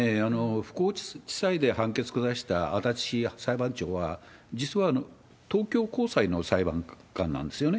福岡地裁で判決下したあだち裁判長は、実は東京高裁の裁判官なんですよね。